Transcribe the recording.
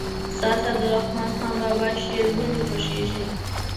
ستاسې د عبدالرحمان بابا شعر ولې خوښیږي.